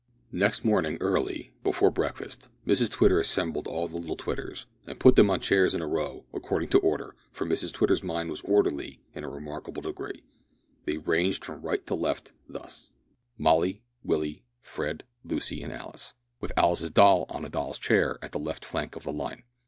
Next morning early before breakfast Mrs Twitter assembled all the little Twitters, and put them on chairs in a row according to order, for Mrs Twitter's mind was orderly in a remarkable degree. They ranged from right to left thus: Molly, Willie, Fred, Lucy, and Alice with Alice's doll on a doll's chair at the left flank of the line.